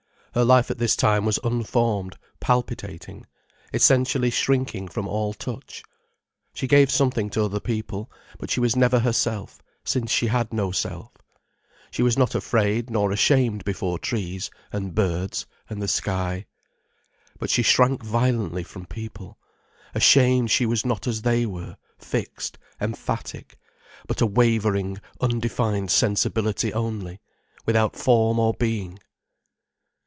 Her life at this time was unformed, palpitating, essentially shrinking from all touch. She gave something to other people, but she was never herself, since she had no self. She was not afraid nor ashamed before trees, and birds, and the sky. But she shrank violently from people, ashamed she was not as they were, fixed, emphatic, but a wavering, undefined sensibility only, without form or being.